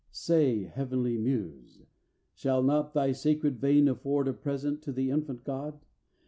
in Say, Heavenly Muse, shall not thy sacred vein Afford a present to the Infant God?